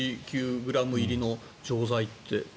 ｇ入りの錠剤って。